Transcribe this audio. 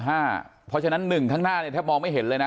เพราะฉะนั้น๑ทั้งหน้าเนี่ยแทบมองไม่เห็นเลยนะ